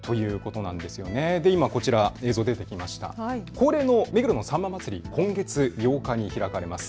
恒例の目黒のさんま祭、今月８日に開かれます。